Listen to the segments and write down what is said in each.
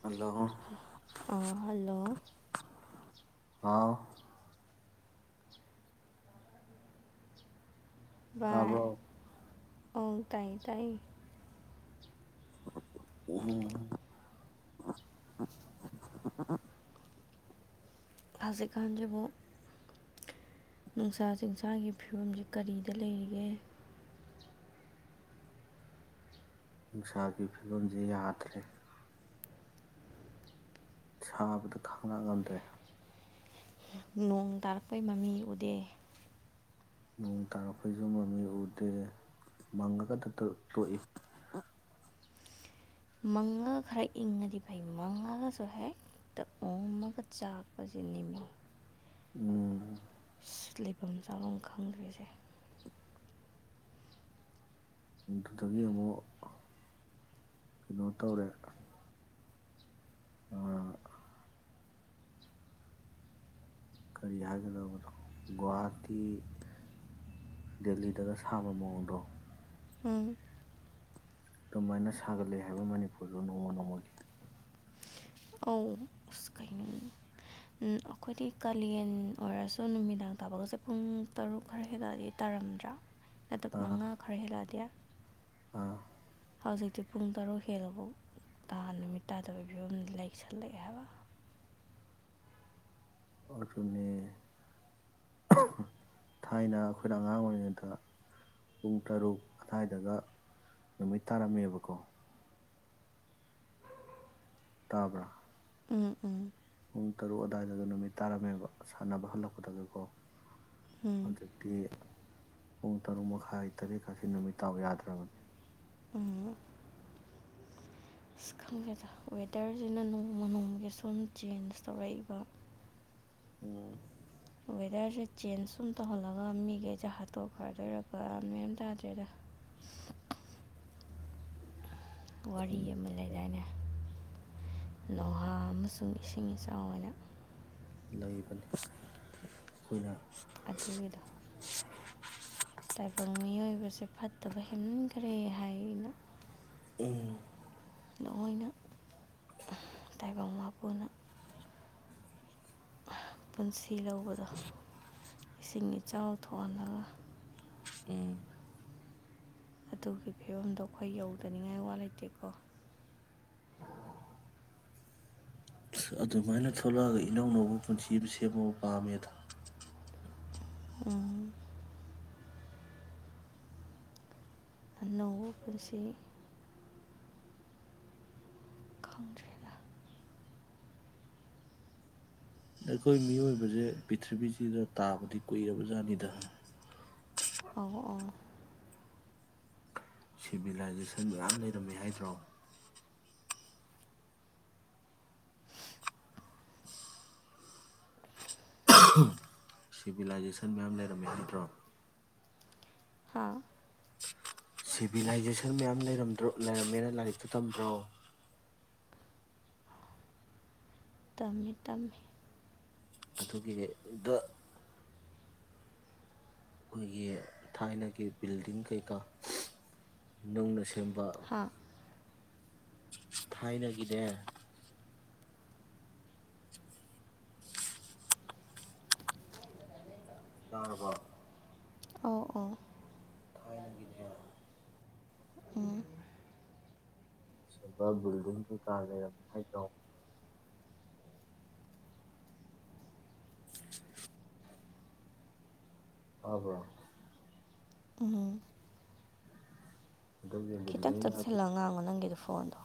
hello hello ꯑꯥꯎ ꯏ ꯇꯥꯕ꯭ꯔꯣ ꯑꯪ ꯇꯥꯏꯌꯦ ꯇꯥꯏꯌꯦ ꯍꯝ ꯐꯥꯖꯤꯛꯀꯥꯟꯗꯕꯨ ꯅꯨꯡꯁꯥ ꯆꯤꯡꯁꯥꯒꯤ ꯐꯤꯕꯝꯁꯦ ꯀꯔꯤꯗ ꯂꯩꯔꯤꯒꯦ ꯅꯨꯡꯁꯥꯒꯤ ꯐꯤꯕꯝꯁꯦ ꯌꯥꯗ꯭ꯔꯦ ꯁꯥꯕꯗ ꯈꯪꯅ ꯉꯝꯗ꯭ꯔꯦ ꯅꯣꯡ ꯇꯥꯔꯛꯄꯩ ꯃꯃꯤ ꯎꯗꯦ ꯅꯣꯡ ꯇꯥꯔꯛꯄꯣꯏꯁꯨ ꯃ ꯃꯤ ꯎꯗꯦ ꯃꯪꯉꯒ ꯇꯣꯛꯏ ꯃꯪꯉꯒ ꯈꯔ ꯏꯪꯉꯗꯤ ꯐꯩ ꯃꯪꯉꯒꯁꯨ ꯍꯦꯛꯛꯇ ꯑꯣꯝꯃꯒ ꯆꯥꯛꯄꯁꯦ ꯅꯤꯃꯤꯨ ꯎꯝ ꯂꯩꯐꯝ ꯆꯥꯐꯝ ꯈꯪꯗ꯭ꯔꯤꯁꯦ ꯑꯗꯨꯗꯨꯗꯒꯤ ꯑꯃꯨꯛ ꯀꯩꯅꯣ ꯇꯧꯔꯦ ꯑꯝ ꯀꯔꯤ ꯍꯥꯏꯒꯗꯕꯅꯣ ꯒꯨꯍꯥꯇꯤ ꯗꯦꯜꯂꯤꯗꯒ ꯁꯥꯝꯕ ꯃꯑꯣꯡꯗꯣ ꯎꯝ ꯑꯗꯨꯃꯥꯏꯅ ꯁꯥꯒꯠꯂꯦ ꯍꯥꯏꯕ ꯃꯅꯤꯄꯨꯔꯁꯨ ꯅꯣꯡꯃ ꯅꯣꯡꯃꯒꯤ ꯑꯧ ꯑꯁ ꯀ ꯑꯩꯈꯣꯏꯗꯤ ꯀꯥꯂꯦꯟ ꯑꯣꯏꯔꯁꯨ ꯅꯨꯃꯤꯗꯥꯡ ꯇꯥꯕꯒꯁꯦ ꯄꯨꯡ ꯇꯔꯨꯛ ꯈꯔ ꯍꯗꯗꯤ ꯇꯥꯔꯝꯗ꯭ꯔꯥ ꯂꯇ ꯑꯥ ꯃꯉꯥ ꯈꯔ ꯍꯦꯜꯂꯛꯑꯗꯤ ꯑꯥ ꯍꯧꯖꯤꯛꯇꯤ ꯄꯨꯡ ꯇꯔꯨꯛ ꯍꯦꯜꯂꯐꯥꯎ ꯇꯥ ꯅꯨꯃꯤꯠ ꯇꯥꯗꯕꯒꯤ ꯐꯤꯕꯝꯗ ꯂꯩꯁꯜꯂꯛꯑꯦ ꯍꯥꯏꯕ ꯑꯗꯨꯅꯦ ꯊꯥꯏꯅ ꯑꯩꯈꯣꯏꯅ ꯑꯉꯥꯡ ꯑꯣꯏꯔꯤꯉꯩꯗ ꯄꯨꯡ ꯇꯔꯨꯛ ꯑꯗꯨꯋꯥꯏꯗꯗ ꯅꯨꯃꯤꯠ ꯇꯥꯔꯝꯃꯦꯕꯀꯣ ꯇꯥꯕ꯭ꯔꯥ ꯎꯝ ꯎꯝ ꯄꯨꯡ ꯇꯔꯨꯛ ꯑꯗꯨꯋꯥꯏꯗ ꯅꯨꯃꯤꯠ ꯇꯥꯔꯝꯃꯦꯕ ꯁꯥꯟꯅꯕ ꯍꯜꯂꯛꯄꯗꯒꯤꯀꯣ ꯎꯝ ꯑꯗꯨꯗꯛꯇꯤ ꯄꯨꯡ ꯇꯔꯨꯛ ꯃꯈꯥꯏ ꯇꯔꯦꯠ ꯑꯁꯤ ꯑꯁꯤ ꯅꯨꯃꯤꯠ ꯇꯥꯕ ꯌꯥꯗ꯭ꯔꯕꯅꯤ ꯑ ꯑꯁ ꯈꯪꯒꯦꯗ ꯋꯦꯗꯔꯁꯤꯅ ꯅꯣꯡꯃ ꯅꯣꯡꯃꯒꯤ ꯁꯨꯝ ꯆꯦꯟꯖ ꯇꯧꯔꯛꯏꯕ ꯎꯝ ꯋꯦꯗꯔꯁꯦ ꯆꯦꯟꯖ ꯁꯨꯝ ꯇꯧꯍꯜꯂꯒ ꯃꯤꯈꯩꯁꯦ ꯍꯥꯠꯇꯣꯛꯈ꯭ꯔ ꯗꯣꯏꯔꯥ ꯒꯌ꯭ꯥꯟ ꯃꯦꯅ ꯇꯥꯗ꯭ꯔꯦꯗ ꯋꯥꯔꯤ ꯑꯃ ꯂꯩꯗꯥꯏꯅ ꯂꯣꯍꯥ ꯑꯃꯁꯨꯡ ꯏꯁꯤꯡ ꯏꯆꯥꯎ ꯑꯣꯏꯅ ꯂꯩꯕꯅꯤ ꯑꯩꯈꯣꯏꯅ ꯑꯗꯨꯒꯤꯗ ꯇꯥꯏꯕꯪ ꯃꯤꯑꯣꯏꯕꯁꯦ ꯐꯠꯇꯕ ꯍꯦꯃꯟꯈ꯭ꯔꯦ ꯍꯥꯏ ꯑꯩꯅ ꯎꯝ ꯊꯥꯑꯣꯏꯅ ꯇꯥꯏꯕꯪ ꯃꯄꯨꯅ ꯄꯨꯟꯁꯤ ꯁꯤꯂꯧꯕꯗꯣ ꯏꯁꯤꯡ ꯏꯆꯥꯎ ꯊꯣꯛꯍꯜꯂꯒ ꯎꯝ ꯑꯗꯨꯒꯤ ꯐꯤꯕꯝꯗꯣ ꯑꯩꯈꯣꯏ ꯌꯧꯗꯅꯤꯡꯉꯥꯏ ꯋꯥ ꯂꯩꯇꯦꯀꯣ ꯑꯗꯨꯃꯥꯏꯅ ꯊꯣꯛꯂꯛꯑꯒ ꯏꯅꯧꯅꯧꯕ ꯄꯨꯟꯁꯤ ꯑꯃ ꯁꯦꯝꯃꯕ ꯄꯥꯝꯃꯦꯗ ꯎꯝ ꯑꯅꯧꯕꯥ ꯄꯨꯟꯁꯤ ꯈꯪꯗ꯭ꯔꯦꯗꯥ ꯑꯩꯈꯣꯏ ꯃꯤꯑꯣꯏꯕꯁꯦ ꯄꯤꯔꯤꯊꯤꯕꯤꯁꯤꯗꯥ ꯇꯥꯕꯗꯤ ꯀꯨꯏꯔꯕ ꯖꯥꯠꯅꯤꯗ ꯑꯣ ꯑꯣ ꯁꯤꯚꯤꯂꯥꯏꯖꯦꯁꯟ ꯃꯌꯥꯝ ꯂꯩꯔꯝꯃꯤ ꯍꯥꯏꯗ꯭ꯔꯣ ꯁꯤꯚꯤꯂꯥꯏꯖꯦꯁꯟ ꯃꯌꯥꯝ ꯂꯩꯔꯝꯃꯦ ꯍꯥꯏꯗ꯭ꯔꯣ ꯍꯥ ꯁꯤꯚꯤꯂꯥꯏꯖꯦꯁꯟ ꯃꯌꯥꯝ ꯂꯩꯗ꯭ꯔ ꯂꯩꯔꯝꯃꯦꯅ ꯂꯥꯏꯔꯤꯛꯇ ꯇꯝꯕ꯭ꯔꯣ ꯇꯝꯃꯦ ꯇꯝꯃꯦ ꯑꯗꯨꯒꯤ ꯗ ꯑꯩꯈꯣꯏꯒꯤ ꯊꯥꯏꯅꯒꯤ ꯕꯤꯜꯗꯤꯡ ꯀꯩꯀꯥ ꯅꯧꯅ ꯁꯦꯝꯕ ꯍꯥ ꯊꯥꯏꯅꯥꯗꯒꯤꯅꯦ ꯌꯔꯕꯣ ꯑꯣ ꯑꯣ ꯊꯥꯏꯅ ꯒꯤꯅꯦ ꯎꯝ ꯑꯩꯅꯆꯤꯡꯕ ꯕꯤꯜꯗꯤꯡꯗꯨ ꯀꯥ ꯂꯩꯔꯝꯃꯤ ꯍꯥꯏꯈ꯭ꯔꯣ ꯑꯕꯣ ꯎꯝ ꯑꯗꯨꯒꯤ ꯈꯤꯇꯪ ꯕꯤꯜꯗꯤꯡ ꯍꯥꯏꯗꯤ ꯆꯪꯁꯤꯜꯂꯛꯑꯣ ꯑ ꯉꯥꯡꯉꯣ ꯅꯪꯒꯤꯗꯣ ꯐꯣꯟꯗ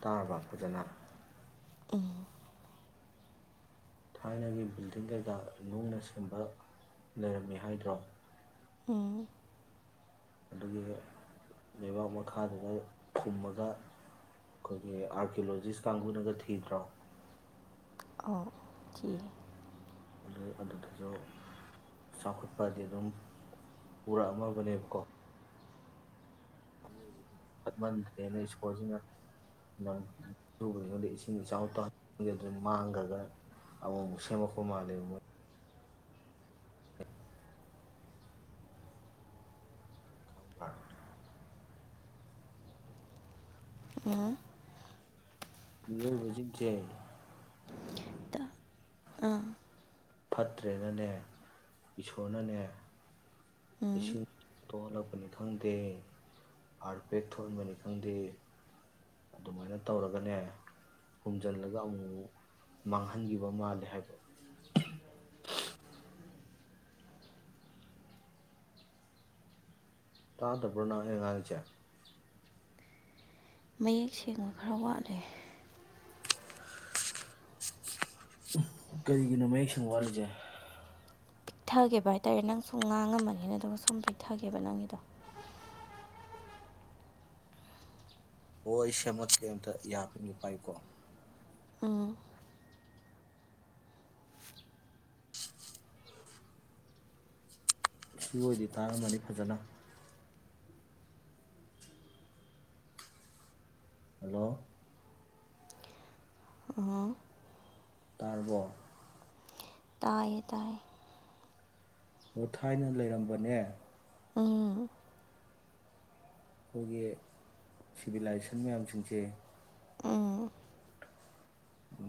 ꯇꯥꯔꯕ ꯐꯖꯅ ꯎꯝ ꯊꯥꯏꯅꯒꯤ ꯕꯤꯜꯗꯤꯡꯗꯨꯗ ꯅꯨꯡꯅ ꯁꯦꯝꯕ ꯂꯩꯔꯝꯃꯤ ꯍꯥꯏꯗ꯭ꯔꯣ ꯎꯝ ꯑꯗꯨꯒꯤ ꯂꯩꯕꯥꯛ ꯃꯈꯥꯗꯨꯗ ꯈꯨꯝꯃꯒ ꯑꯩꯈꯣꯏꯒꯤ ꯑꯥꯔꯀꯤꯌꯣꯂꯣꯖꯤꯁ ꯀꯥꯡꯕꯨꯅꯒ ꯊꯤꯗ꯭ꯔꯣ ꯑꯣ ꯊ ꯑꯗꯨ ꯑꯗꯨꯗꯁꯨ ꯆꯥꯎꯈꯠꯄꯗꯤ ꯑꯗꯨꯝ ꯄꯨꯔꯛꯑꯝꯃꯕꯅꯦꯕꯀꯣ ꯐꯠꯃꯟꯗ꯭ꯔꯦꯅ ꯏꯁꯀꯣꯔꯜꯁꯤꯅꯨꯕꯉꯣꯟꯗ ꯏꯁꯤꯡ ꯏꯆꯥꯎ ꯇꯖꯗꯅ ꯃꯥꯡꯈ꯭ꯔꯒ ꯑꯃꯨꯛ ꯑꯃꯨꯛ ꯁꯦꯝꯃꯛꯄ ꯃꯥꯜꯂꯦꯕ ꯃꯣꯏ ꯈꯪ ꯑ‌ꯣ ꯃꯤꯑꯣ ꯖꯤꯁꯦ ꯑꯥ ꯐꯠꯇ꯭ꯔꯦꯅꯅꯦ ꯏꯁꯣꯔꯅꯅꯦ ꯎꯝ ꯄꯣꯞ ꯊꯣꯛꯅꯤ ꯈꯪꯗꯦ ꯑꯥꯔ ꯄꯦꯛ ꯊꯣꯛꯍꯟꯕꯅꯤ ꯈꯪꯗꯦ ꯑꯗꯨꯃꯥꯏꯅ ꯇꯧꯔꯒꯅꯦ ꯍꯨꯝꯖꯤꯜꯂꯒ ꯑꯃꯨꯛ ꯃꯥꯡꯍꯟꯈꯤꯕ ꯃꯥꯜꯂꯦ ꯍꯥꯏꯕ ꯇꯥꯇ ꯄꯨꯅ ꯌꯦ ꯉꯉꯆꯦ ꯃꯌꯦꯛ ꯁꯦꯡꯕ ꯈꯔ ꯋꯥꯠꯂꯦ ꯀꯔꯤꯒꯤꯅꯣ ꯃꯌꯦꯛ ꯁꯦꯡ ꯋꯥꯠꯂꯤꯁꯦ ꯄꯤꯛꯊꯒꯦꯕ ꯍꯥꯏꯇꯥꯔꯦ ꯅꯪ ꯁꯨꯝ ꯉꯥꯡꯉꯝꯃꯅꯤꯅ ꯑꯗꯨꯒꯝ ꯁꯨꯝ ꯄꯤꯛꯊꯒꯦꯕ ꯅꯪꯒꯤꯗꯣ ꯑꯣ ꯑꯩ ꯁꯦꯝꯃꯛꯀꯦ ꯑꯝꯇ ꯌꯥꯕꯒ ꯄꯥꯏꯀꯣ ꯑ ꯐ ꯑꯣꯏꯗꯤ ꯇꯥꯔꯝꯃꯅꯤ ꯐꯖꯅ ꯍꯜꯂꯣ ꯎꯝ ꯇꯥꯔꯕꯣ ꯇꯌꯦ ꯇꯥꯏ ꯑꯣ ꯊꯥꯏꯅ ꯂꯩꯔꯝꯕꯅꯦ ꯎꯝ ꯑꯩꯈꯣꯏꯒꯤ ꯁꯤꯚꯤꯂꯥꯏꯖꯦꯁꯟ ꯃꯌꯥꯝꯁꯤꯡꯁꯦ ꯎꯝ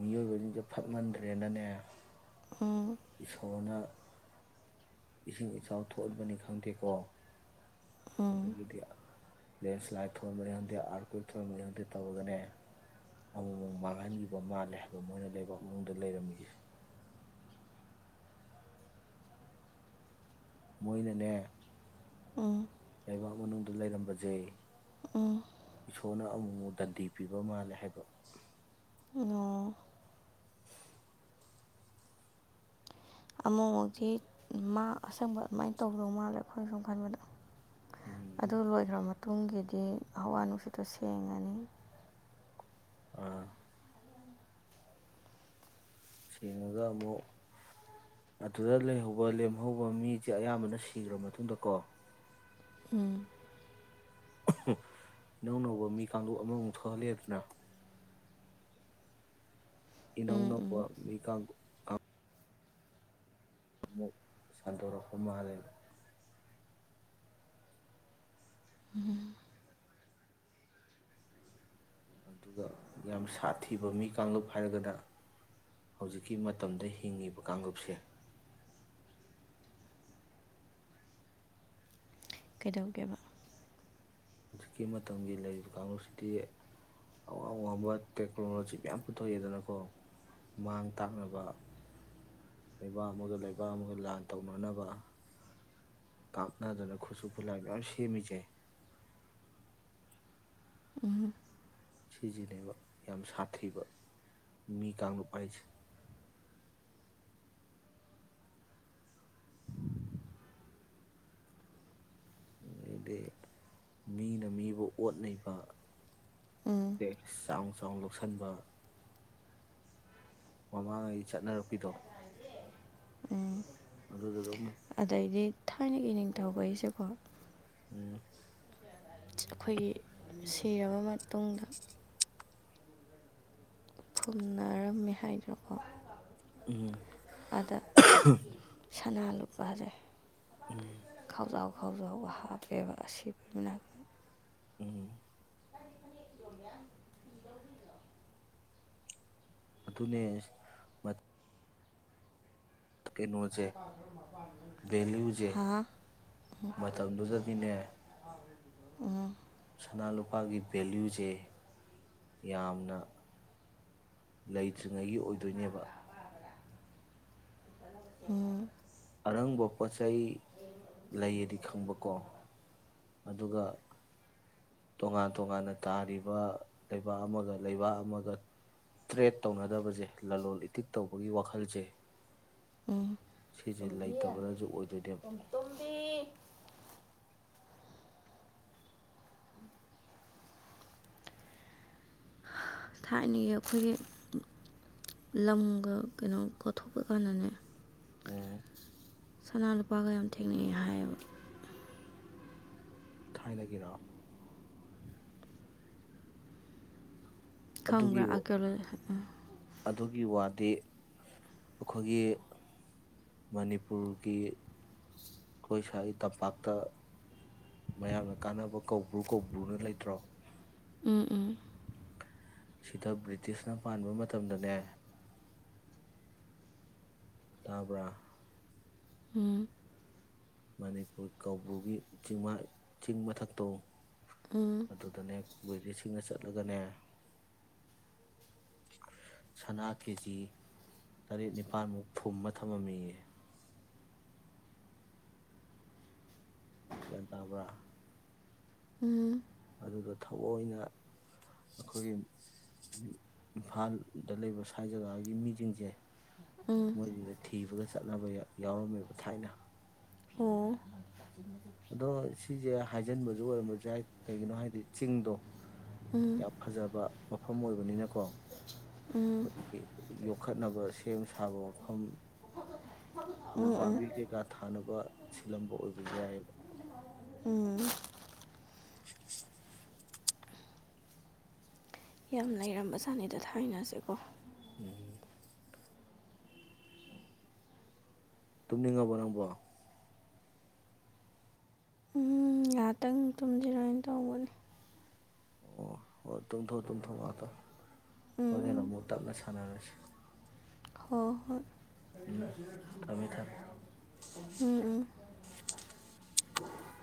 ꯃꯤꯑꯣꯏꯕꯁꯤꯡꯁꯦ ꯐꯛꯃꯟꯗ꯭ꯔꯦꯅꯅꯦ ꯎꯝ ꯏꯁꯣꯔꯅ ꯏꯁꯤꯡ ꯏꯆꯥꯎ ꯊꯣꯛꯍꯟꯕꯅꯤ ꯈꯪꯗꯦꯀꯣ ꯎꯝ ꯗꯤꯌꯥ ꯂꯦꯟꯁ꯭ꯂꯥꯏꯠ ꯊꯣꯟꯍꯟꯕꯅꯤ ꯈꯪꯗꯦ ꯑꯥꯔ ꯀ꯭ꯋꯤꯛ ꯊꯣꯟꯟꯕꯅꯤ ꯌꯥ ꯈꯪꯗꯦ ꯇꯧꯔꯒꯅꯦ ꯑꯃꯨꯛ ꯑꯃꯨꯛ ꯃꯥꯡꯍꯟꯈꯤꯕ ꯃꯥꯜꯂꯦ ꯍꯥꯏꯕ ꯃꯣꯏꯅ ꯂꯩꯕꯥꯛ ꯃꯅꯨꯡꯗ ꯂꯩꯔꯝꯃꯤꯁꯦ ꯃꯣꯏꯅꯅꯦ ꯎꯝ ꯂꯩꯕꯥꯛ ꯃꯅꯨꯡꯗ ꯂꯩꯔꯝꯕꯁꯦ ꯎꯝ ꯑꯦꯁꯣꯔꯅ ꯑꯃꯨꯛ ꯑꯃꯨꯛ ꯗꯟꯗꯤ ꯄꯤꯕ ꯃꯥꯜꯂꯦ ꯍꯥꯏꯕ ꯑꯣ ꯑꯃꯨꯛꯤ ꯃꯥ ꯑꯁꯪꯕ ꯑꯗꯨꯃꯥꯏꯅ ꯇꯧꯗꯧ ꯃꯥꯜꯂꯦ ꯑꯩꯈꯣꯏꯅ ꯁꯨꯝ ꯈꯟꯕꯗꯣ ꯎꯝ ꯑꯗꯨ ꯂꯣꯏꯈ꯭ꯔ ꯃꯇꯨꯡ ꯇꯨꯡꯒꯤꯗꯤ ꯍꯋꯥ ꯅꯨꯡꯁꯤꯠꯇꯣ ꯁꯦꯡꯉꯅꯤ ꯑ ꯁꯦꯡꯉꯒ ꯑꯃꯨꯛ ꯑꯗꯨꯗ ꯂꯩꯍꯧꯕ ꯂꯦꯝꯍꯧꯕ ꯃꯤꯁꯦ ꯑꯌꯥꯝꯕꯅ ꯁꯤꯈ꯭ꯔ ꯃꯇꯨꯡꯗꯀꯣ ꯎꯝ ꯏꯅꯧꯅꯧꯕ ꯃꯤ ꯀꯥꯡ ꯑꯃꯃꯨꯛ ꯊꯣꯛꯍꯜꯂꯦꯗꯅ ꯏꯅꯧ ꯎꯝ ꯎꯝ ꯅꯧꯕ ꯃꯤ ꯀꯥꯡ ꯑ ꯛ ꯁꯥꯟꯗꯔꯍꯨꯝ ꯃꯥꯥꯗꯦꯕ ꯑꯗꯨꯒ ꯌꯥꯝ ꯁꯥꯊꯤꯕ ꯃꯤ ꯀꯥꯡꯂꯨꯞ ꯍꯥꯏꯔꯒꯅ ꯍꯧꯖꯤꯛꯀꯤ ꯃꯇꯝꯗ ꯍꯤꯡꯉꯤꯕ ꯀꯥꯡꯂꯨꯞꯁꯦ ꯀꯩꯗꯧꯒꯦꯕ ꯍꯧꯖꯤꯛꯀꯤ ꯃꯇꯝꯒꯤ ꯂꯩꯔꯤꯕ ꯀꯥꯡꯁꯤꯗꯤ ꯑꯋꯥꯡ ꯑꯋꯥꯡꯕ ꯇꯦꯛꯅꯣꯂꯣꯖꯤ ꯃꯌꯥꯝ ꯄꯨꯊꯣꯛꯑꯦꯗꯅꯀꯣ ꯃꯥꯡ ꯇꯥꯛꯅꯕ ꯂꯩꯕꯥꯛ ꯑꯃꯒ ꯂꯩꯕꯥꯛ ꯑꯃꯒ ꯂꯥꯟ ꯇꯧꯅꯅꯕ ꯀꯥꯞꯅꯗꯅ ꯈꯨꯠꯁꯨ ꯈꯨꯠꯂꯥꯏ ꯃꯌꯥꯝ ꯁꯦꯝꯃꯤꯁꯦ ꯎꯝ ꯁꯤꯖꯤꯟꯅꯕ ꯌꯥꯝ ꯁꯥꯊꯤꯕ ꯃꯤ ꯀꯥꯡꯂꯨꯞ ꯍꯥꯏꯁꯦ ꯑꯗꯩꯗꯤ ꯃꯤꯅ ꯃꯤꯕꯨ ꯑꯣꯠꯅꯩꯕ ꯎꯝ ꯆ ꯑꯃꯨꯛ ꯂꯧꯁꯤꯟꯕ ꯃꯃꯥꯡꯉꯩ ꯆꯠꯅꯔꯛꯄꯤꯗꯣ ꯎꯝ ꯑꯗꯨꯗꯣ ꯑꯗꯨꯝ ꯊꯥꯏꯅꯒꯤ ꯅꯤꯡꯊꯧ ꯀꯩꯁꯦꯀꯣ ꯎꯝ ꯑꯩꯈꯣꯏꯒꯤ ꯁꯤꯔꯕ ꯃꯇꯨꯡꯗ ꯐꯨꯝꯅꯔꯝꯃꯦ ꯍꯥꯏꯗ꯭ꯔꯣꯀꯣ ꯎꯝ ꯊꯅꯥ ꯂꯨꯄꯔꯦ ꯎꯝ ꯈꯥꯎꯖꯥꯎ ꯈꯥꯎꯖꯥꯎꯕ ꯍꯥꯞꯦꯕ ꯑꯁꯤꯕꯅꯥ ꯎ ꯌ ꯑꯗꯨꯅꯦ ꯀꯩꯅꯣ ꯁꯦ ꯚꯦꯂꯨꯁꯦ ꯍꯥ ꯃꯇꯝꯗꯨꯗꯗꯤꯅꯦ ꯑ ꯁꯅꯥ ꯂꯨꯄꯥꯒꯤ ꯚꯦꯂꯨꯁꯦ ꯌꯥꯝꯅ ꯂꯩꯇ꯭ꯔꯤꯉꯩꯒꯤ ꯑꯣꯏꯗꯣꯏꯅꯦꯕ ꯎꯝ ꯔꯪꯕꯄꯁꯥꯏ ꯂꯩꯑꯗꯤ ꯈꯪꯕꯀꯣ ꯑꯗꯨꯒ ꯇꯣꯉꯥꯟ ꯇꯣꯉꯥꯟꯅ ꯇꯥꯔꯤꯕ ꯂꯩꯕꯥꯛ ꯑꯃꯒ ꯂꯩꯕꯥꯛ ꯑꯃꯒ ꯇ꯭ꯔꯦꯠ ꯇꯧꯅꯗꯕꯁꯦ ꯂꯂꯣꯟꯣ ꯏꯇꯤꯛ ꯇꯧꯕꯒꯤ ꯋꯥꯈꯜꯁꯦ ꯎꯝ ꯁꯤꯁꯦ ꯇꯨꯝꯕꯤ ꯍ ꯂꯩꯇꯕꯅꯁꯨ ꯑꯣꯏꯗꯣꯏꯅꯦꯕ ꯇꯕꯤ ꯊꯥꯏꯅꯒꯤ ꯑꯩꯈꯣꯏꯒꯤ ꯂꯝꯒ ꯀꯩꯅꯣ ꯀꯠꯊꯣꯛꯄ ꯀꯥꯟꯗꯅꯦ ꯎꯝ ꯁꯅꯥ ꯂꯨꯄꯥꯒ ꯌꯥꯝ ꯊꯦꯡꯅꯩ ꯍꯥꯏꯌꯦꯕ ꯊꯥꯏꯅꯗꯒꯤꯔꯑꯣ ꯈꯪꯕ꯭ꯔꯥ ꯑꯗꯨꯒꯤ ꯑꯀ ꯗꯤ ꯑꯩꯈꯣꯏꯒꯤ ꯃꯅꯤꯄꯨꯔꯒꯤ ꯑꯩꯈꯣꯏ ꯁ꯭ꯋꯥꯏ ꯇꯝꯄꯥꯛꯇ ꯃꯌꯥꯝꯅ ꯀꯥꯟꯅꯕ ꯀꯧꯕ꯭ꯔꯨ ꯀꯧꯕ꯭ꯔꯨꯅ ꯂꯩꯇ꯭ꯔꯣ ꯎꯝ ꯎꯝ ꯁꯤꯗ ꯕ꯭ꯔꯤꯇꯤꯁꯅ ꯄꯥꯟꯕ ꯃꯇꯝꯗꯅꯦ ꯇꯥꯕ꯭ꯔ ꯎꯝ ꯃꯅꯤꯄꯨꯔ ꯀꯧꯕꯨꯒꯤ ꯆꯤꯡ ꯆꯤꯡ ꯃꯊꯛꯇꯣ ꯎꯝ ꯑꯗꯨꯗꯅꯦ ꯕ꯭ꯔꯤꯇꯤꯁꯁꯤꯡꯅ ꯆꯠꯂꯒꯅꯦ ꯁꯅꯥ ꯀꯦꯖꯤ ꯇꯔꯦꯠ ꯅꯤꯄꯥꯜꯃꯨꯛ ꯐꯨꯝꯕ ꯊꯝꯃꯝꯃꯤ ꯌꯦ ꯇꯕ꯭ꯔꯥ ꯎꯝ ꯑꯗꯨꯗ ꯊꯑꯣꯏꯅ ꯑꯩꯈꯣꯏꯒꯤ ꯏꯝꯐꯥꯜꯗ ꯂꯩꯕ ꯁ꯭ꯋꯥꯥꯏ ꯖꯒꯥꯒꯤ ꯃꯤꯁꯤꯡꯁꯦ ꯎꯝ ꯃꯗ ꯊ ꯀ ꯆꯠꯅꯕ ꯌꯥꯎꯔꯝꯃꯦ ꯕ ꯊꯥꯏꯅ ꯍ ꯑꯗꯣ ꯁꯤꯁꯦ ꯍꯥꯏꯖꯤꯟꯕꯁꯨ ꯑꯣꯏꯔꯝꯝꯕꯁꯨꯦ ꯀꯩꯒꯤꯅꯣ ꯍꯥꯏꯗꯤ ꯆꯤꯡꯗꯣ ꯎꯝ ꯌꯥꯝ ꯐꯖꯕ ꯃꯐꯝ ꯑꯣꯏꯕꯅꯤꯅꯀꯣ ꯎꯝ ꯍꯧꯖꯤ ꯌꯣꯛ ꯌꯈꯠꯅꯕ ꯁꯦꯝ ꯁꯥꯕ ꯃꯐꯝ ꯎ ꯎꯝ ꯎꯝ ꯄꯃꯤ ꯀꯦ ꯀꯥꯊ ꯅꯄꯥ ꯁꯤꯜꯂꯝꯕ ꯑꯣꯏꯕꯁꯨ ꯌꯥꯏ ꯎꯝ [inaudible] ꯌꯥꯝ ꯂꯩꯔꯝꯕ ꯆꯥꯅꯤꯗ ꯊꯥꯏꯅꯁꯦꯀꯣ ꯎꯝ ꯇꯨꯝꯅꯤꯡ ꯉꯥ ꯕꯣ ꯎꯝ ꯉꯥꯏꯍꯥꯛꯇꯪ ꯇꯨꯝꯁꯤꯔꯅ ꯇꯧꯕꯅꯤ ꯑꯣ ꯑꯣ ꯇꯨꯝꯊꯣ ꯇꯨꯝꯊꯣ ꯃꯥꯊꯣ ꯎꯝ ꯎꯝ ꯍꯅ ꯃꯨ ꯇꯝꯅ ꯁꯥꯟꯅꯥꯔꯁ ꯍꯣꯏ ꯎꯝ ꯊꯝꯃꯦ ꯊꯝꯃꯦ ꯍꯣꯏ ꯎꯝ ꯎ